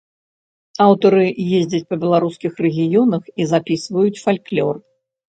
Аўтары ездзяць па беларускіх рэгіёнах і запісваюць фальклор.